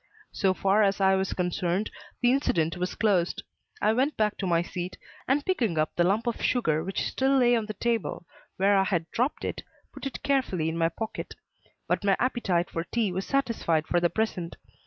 So far as I was concerned, the incident was closed. I went back to my seat, and picking up the lump of sugar which still lay on the table where I had dropped it, put it carefully in my pocket. But my appetite for tea was satisfied for the present.